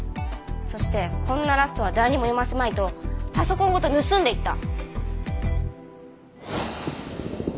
そしてこんなラストは誰にも読ませまいとパソコンごと盗んでいった。